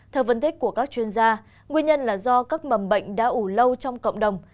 theo phân tích của các chuyên gia nguyên nhân là do các mầm bệnh đã ủ lâu trong cộng đồng